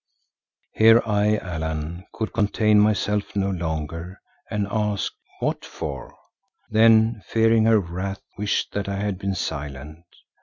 Here I, Allan, could contain myself no longer and asked, "What for?" then, fearing her wrath, wished that I had been silent.